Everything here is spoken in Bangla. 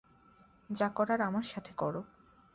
যা করার আমার সাথে করো।